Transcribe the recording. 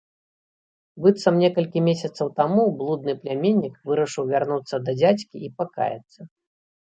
Быццам некалькі месяцаў таму блудны пляменнік вырашыў вярнуцца да дзядзькі і пакаяцца.